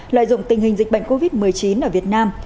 lợi dụng tình hình dịch bệnh covid một mươi chín ở việt nam